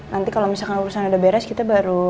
nanti kalo misalkan urusan ada beres aku akan beritahu anda